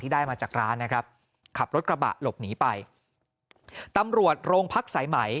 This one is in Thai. ได้มาจากร้านนะครับขับรถกระบะหลบหนีไปตำรวจโรงพักสายไหม